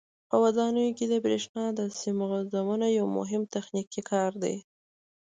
په ودانیو کې د برېښنا د سیم غځونه یو مهم تخنیکي کار دی.